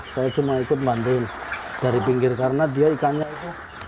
saya cuma ikut bantu dari pinggir karena dia ikannya itu